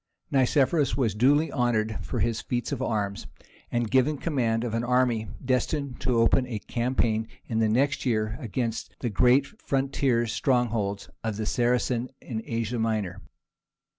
Nicephorus was duly honoured for his feat of arms, and given command of an army destined to open a campaign in the next year against the great frontier strongholds of the Saracens in Asia Minor.